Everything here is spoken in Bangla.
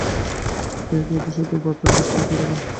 তিনি অতি সত্বর আমাদের প্রার্থনার উত্তর দিয়ে থাকেন।